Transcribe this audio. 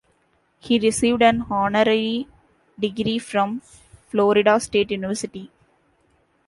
He received an honorary degree from Florida State University.